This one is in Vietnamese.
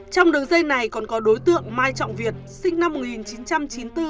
trong đường dây này còn có đối tượng mai trọng việt sinh năm một nghìn chín trăm chín mươi bốn